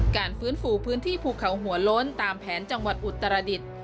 การฟื้นฟูพื้นที่ภูเขาหัวล้นตามแผนจังหวัดอุตรดิษฐ์